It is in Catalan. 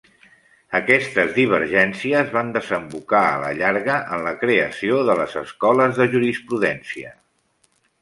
Aquestes divergències van desembocar a la llarga en la creació de les escoles de jurisprudència.